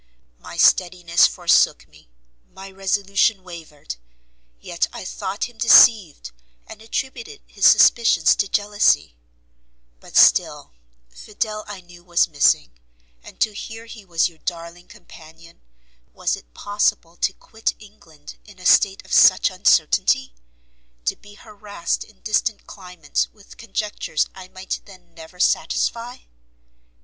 my steadiness forsook me, my resolution wavered; yet I thought him deceived, and attributed his suspicions to jealousy; but still, Fidel I knew was missing and to hear he was your darling companion was it possible to quit England in a state of such uncertainty? to be harassed in distant climates with conjectures I might then never satisfy?